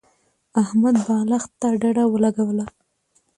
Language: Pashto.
احمد بالښت ته ډډه ولګوله.